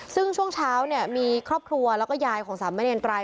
ซึ่งช่วงเช้าเนี่ยมีครอบครัวแล้วก็ยายของสามเณรไตร